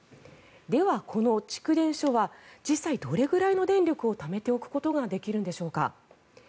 では、この蓄電所は実際、どれくらいの電力をためておくことができるんでしょうか。